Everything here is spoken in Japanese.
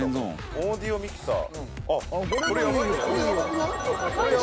オーディオミキサー。